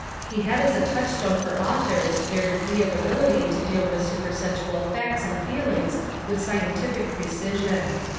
He had as a touchstone for authors their degree of ability to deal with supersensual facts and feelings with scientific preci sion.